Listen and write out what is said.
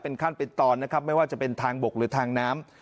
ขั้นเป็นตอนนะครับไม่ว่าจะเป็นทางบกหรือทางน้ำ